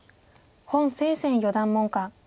洪清泉四段門下。